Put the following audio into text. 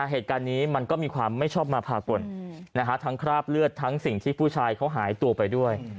เหตุการณ์นี้มันก็มีความไม่ชอบมาพากลทั้งคราบเลือดทั้งสิ่งที่ผู้ชายเขาหายตัวไปด้วย